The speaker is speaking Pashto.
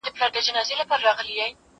زه هره ورځ مېوې راټولوم.